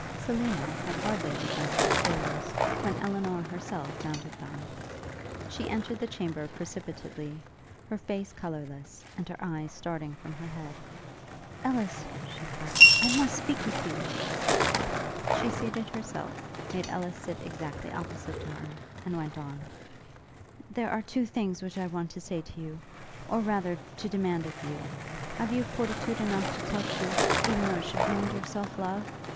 Selina had hardly descended the stairs, when Elinor herself mounted them. She entered the chamber precipitately, her face colourless, and her eyes starting from her head. 'Ellis!' she cried, 'I must speak with you!' She seated herself, made Ellis sit exactly opposite to her, and went on: 'There are two things which I want to say to you; or, rather, to demand of you. Have you fortitude enough to tell truth, even though it should wound your self love?